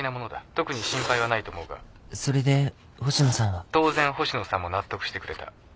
特に心配はないと思うが☎当然星野さんも納得してくれた。